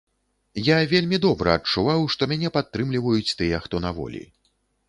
Я вельмі добра адчуваў, што мяне падтрымліваюць тыя, хто на волі.